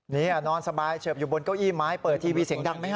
นี่นอนสบายเฉิบอยู่บนเก้าอี้ไม้เปิดทีวีเสียงดังไหมฮ